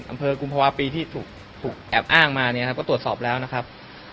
กุมภาวะปีที่ถูกแอบอ้างมาเนี่ยครับก็ตรวจสอบแล้วนะครับ